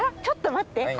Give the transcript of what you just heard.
ちょっと待って。